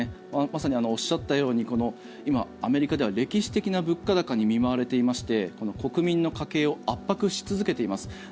まさにおっしゃったように今、アメリカでは歴史的な物価高に見舞われていまして国民の家計を圧迫し続けています。